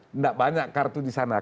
tidak banyak kartu disana